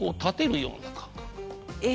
え？